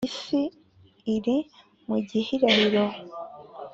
isi iri mu gihirahiro.